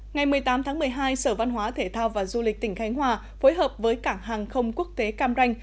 ngày một mươi tám tháng một mươi hai sở văn hóa thể thao và du lịch tỉnh khánh hòa phối hợp với cảng hàng không quốc tế cam ranh